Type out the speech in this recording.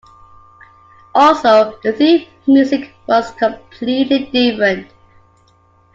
Also, the theme music was completely different.